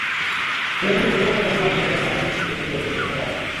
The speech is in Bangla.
ইতিহাসবিদ অধ্যাপক মুনতাসীর মামুন বলেছেন, মানুষ বেশি দিন বীরত্বের বিষয়টি মনে রাখে না।